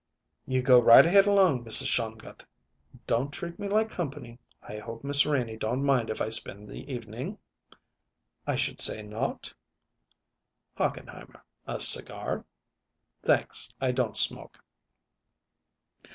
"You go right ahead along, Mrs. Shongut. Don't treat me like company. I hope Miss Renie don't mind if I spend the evening?" "I should say not." "Hochenheimer, a cigar?" "Thanks; I don't smoke."